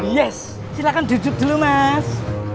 yes silahkan cucuk dulu mas